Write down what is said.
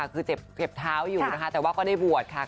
คือเจ็บเท้าอยู่นะคะแต่ว่าก็ได้บวชค่ะ